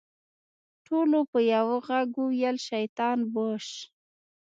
ټولو په يوه ږغ وويل شيطان بوش.